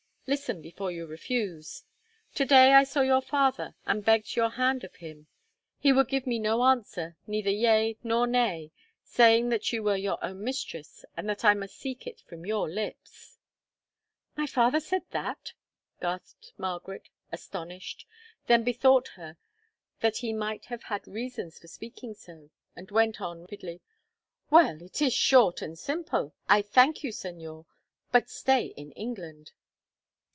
Listen, before you refuse. To day I saw your father, and begged your hand of him. He would give me no answer, neither yea nor nay, saying that you were your own mistress, and that I must seek it from your lips." "My father said that?" gasped Margaret, astonished, then bethought her that he might have had reasons for speaking so, and went on rapidly, "Well, it is short and simple. I thank you, Señor; but I stay in England."